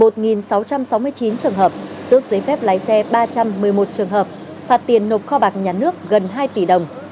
một sáu trăm sáu mươi chín trường hợp tước giấy phép lái xe ba trăm một mươi một trường hợp phạt tiền nộp kho bạc nhà nước gần hai tỷ đồng